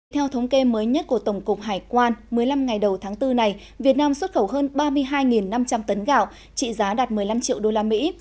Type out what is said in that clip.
theo thống kê mới nhất của tổng cục hải quan một mươi năm ngày đầu tháng bốn này việt nam xuất khẩu hơn ba mươi hai năm trăm linh tấn gạo trị giá đạt một mươi năm triệu đô la mỹ